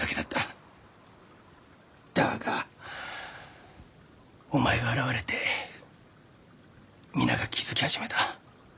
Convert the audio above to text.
だがお前が現れて皆が気付き始めた。